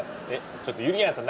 ちょっとゆりやんさん